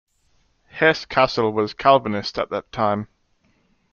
Hesse-Kassel was Calvinist at that time.